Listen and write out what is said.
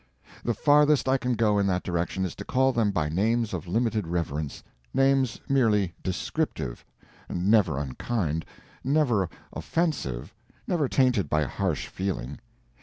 The farthest I can go in that direction is to call them by names of limited reverence—names merely descriptive, never unkind, never offensive, never tainted by harsh feeling.